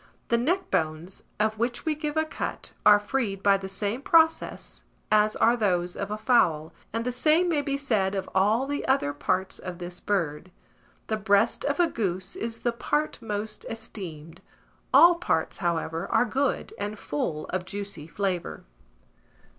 The neck bones, of which we give a cut, are freed by the same process as are those of a fowl; and the same may be said of all the other parts of this bird. The breast of a goose is the part most esteemed; all parts, however, are good, and full of juicy flavour.